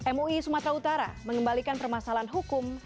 mui sumatera utara mengembalikan permasalahan hukum